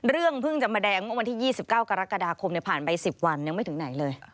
เรื่องเพิ่งจะมาแดงเมื่อวันที่๒๙กรกฎาคมผ่านไป๑๐วันยังไม่ถึงไหนเลย